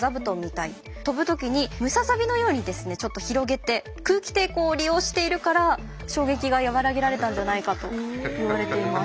跳ぶ時にムササビのようにですねちょっと広げて空気抵抗を利用しているから衝撃が和らげられたんじゃないかといわれています。